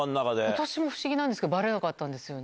私も不思議なんですけど、ばれなかったんですよね。